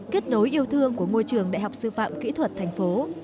kết nối yêu thương của ngôi trường đại học sư phạm kỹ thuật thành phố